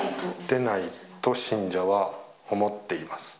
出ないと信者は思っています。